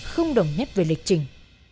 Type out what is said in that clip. không đồng nhất về lịch trình